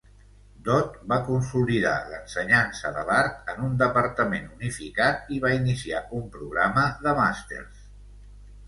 Dodd va consolidar l'ensenyança de l'art en un departament unificat i va iniciar un programa de màsters.